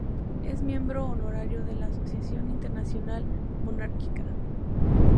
Es miembro honorario de la Asociación Internacional Monárquica.